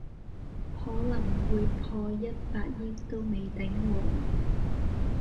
可能會破一百億都未頂喎